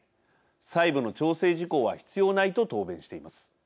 細部の調整事項は必要ないと答弁しています。